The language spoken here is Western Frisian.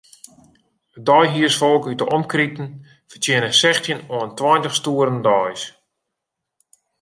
It deihiersfolk út 'e omkriten fertsjinne sechstjin oant tweintich stoeren deis.